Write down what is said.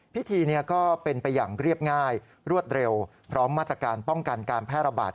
พิธีก็เป็นไปอย่างเรียบง่ายรวดเร็วพร้อมมาตรการป้องกันการแพร่ระบาด